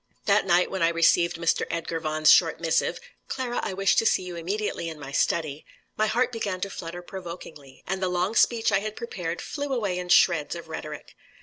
That night when I received Mr. Edgar Vaughan's short missive "Clara, I wish to see you immediately in my study," my heart began to flutter provokingly, and the long speech I had prepared flew away in shreds of rhetoric.